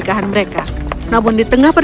apa yang mereka katakan untukitu bekommen